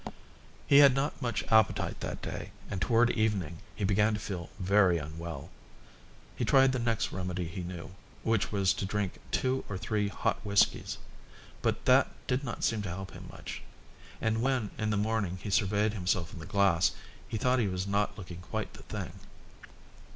He had not much appetite that day and towards evening he began to feel very unwell. He tried the next remedy he knew, which was to drink two or three hot whiskies, but that did not seem to help him much, and when in the morning he surveyed himself in the glass he thought he was not looking quite the thing.